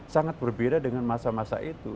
sangat berbeda dengan masa masa itu